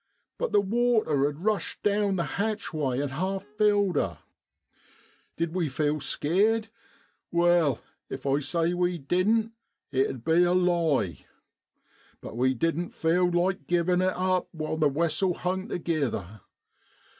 But the water had rushed down the hatchway an' half filled her. Did we feel skeered ? Wai, if I say we didn't, it 'ud be a lie, but we didn't feel like givin' it up while the wessel hung togither.